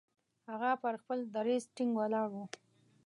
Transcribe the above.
هغه پر خپل دریځ ټینګ ولاړ وو.